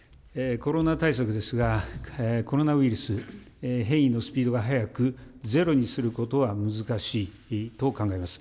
コロナ対策ですが、コロナウイルス、変異のスピードが速く、ゼロにすることは難しいと考えます。